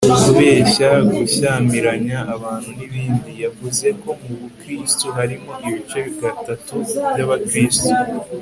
kubeshya, gushyamiranya abantu n'ibindi.yavuze ko mu bukristu harimo ibice gatatu by'abakristu